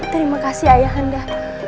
terima kasih ayahanda